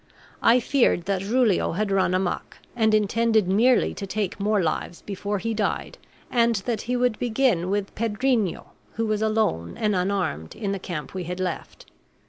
I feared that Julio had run amuck, and intended merely to take more lives before he died, and that he would begin with Pedrinho, who was alone and unarmed in the camp we had left.